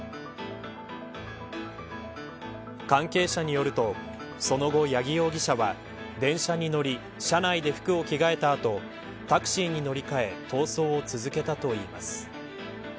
関係者によるとその後、八木容疑者は電車に乗り車内で服を着替えた後タクシーに乗り換え逃走を続けたといいます。